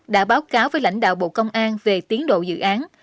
đã báo cáo với lãnh đạo bộ công an về tiến độ dự án